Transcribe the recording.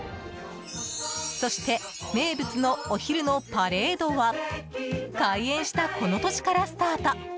そして名物のお昼のパレードは開園したこの年からスタート。